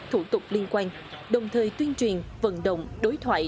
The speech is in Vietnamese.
thủ tục liên quan đồng thời tuyên truyền vận động đối thoại